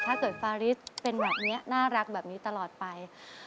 ฟาริสเป็นแบบนี้น่ารักแบบนี้ตลอดไป